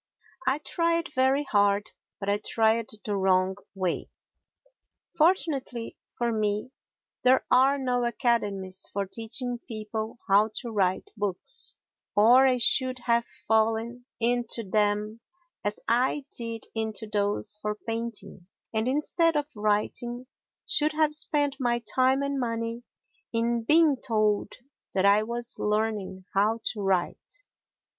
I tried very hard, but I tried the wrong way. Fortunately for me there are no academies for teaching people how to write books, or I should have fallen into them as I did into those for painting and, instead of writing, should have spent my time and money in being told that I was learning how to write.